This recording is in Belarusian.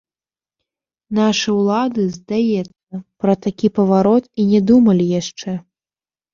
Нашы ўлады, здаецца, пра такі паварот і не думалі яшчэ.